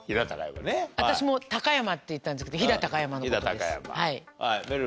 私も「高山」って言ったんですけど飛騨高山の事です。